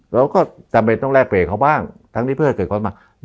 เราก็จำเป็นต้องแลกเปลี่ยนเขาบ้างทั้งนี้เพื่อให้เกิดความหวัง